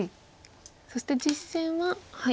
そして実戦は。